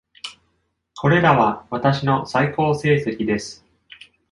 これらは私の最高成績です。